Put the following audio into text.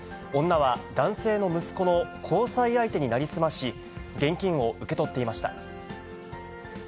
女は男性の息子の交際相手に成り済まし、現金を受け取っていました。